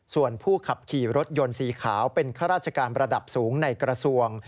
ส่วนผู้ขับขี่รถยนต์สีขาวเป็นข้าราชการระดับสูงในกระทรวง